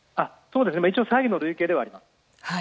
一応、詐欺の類型ではあります。